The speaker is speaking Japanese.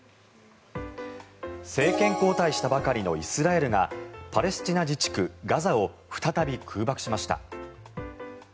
政権交代したばかりのイスラエルがパレスチナ自治区ガザを再び空爆しました。